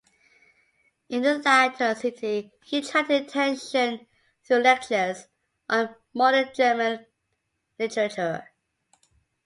In the latter city he attracted attention through lectures on modern German literature.